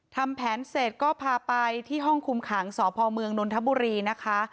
ทำแผนเสร็จก็พาไปที่ห้องคุมขังสพเมืองนนทบุรีนะคะ